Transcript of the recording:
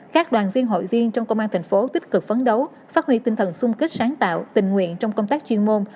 các đoàn viên hội viên trong công an thành phố tích cực phấn đấu phát huy tinh thần sung kích sáng tạo tình nguyện trong công tác chuyên môn